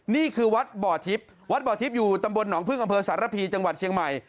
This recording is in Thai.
นี่คือวัดบ่อทิพย์วัดบ่อทิพย์อยู่ตำบลหนองพึ่งอำเภอสารพีจังหวัดเชียงใหม่